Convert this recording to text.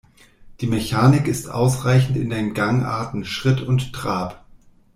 Die Mechanik ist ausreichend in den Gangarten Schritt und Trab.